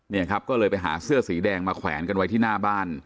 เนี่ยครับก็เลยไปหาเสื้อสีแดงมาแขวนกันไว้ที่หน้าบ้าน